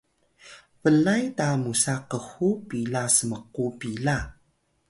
blay ta musa khu pila smku pila